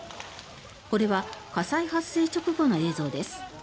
これは火災発生直後の映像です。